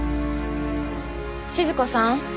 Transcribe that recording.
静子さん。